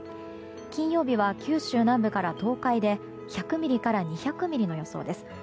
金曜日は九州南部から東海で１００ミリから２００ミリの予想です。